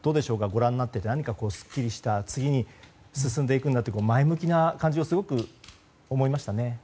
ご覧になって何かすっきりした次に進んでいくんだという前向きな感じをすごく感じましたね。